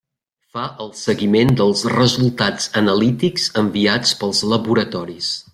Fa el seguiment dels resultats analítics enviats pels laboratoris.